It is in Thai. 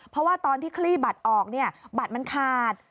เพราะว่าตอนที่คลี่บัตรออกเนี่ยบัตรมันขาด